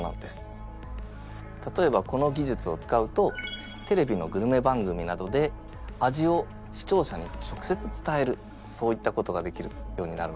例えばこのぎじゅつを使うとテレビのグルメ番組などで味を視聴者に直接伝えるそういったことができるようになるわけです。